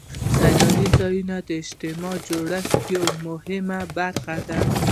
سیلاني ځایونه د اجتماعي جوړښت یوه مهمه برخه ده.